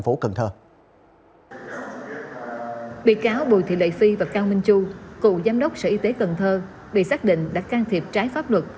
bị cáo bùi thị lệ phi và cao minh chu cựu giám đốc sở y tế cần thơ bị xác định đã can thiệp trái pháp luật